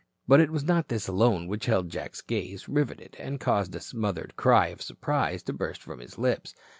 But it was not this alone which held Jack's gaze riveted and caused a smothered cry of surprise to burst from his lips.